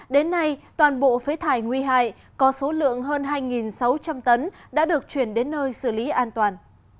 đến nay toàn bộ phế thải nguy hại có số lượng hơn hai sáu trăm linh tấn đã được chuyển đến nơi xử lý an toàn